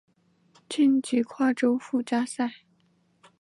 晋级跨洲附加赛。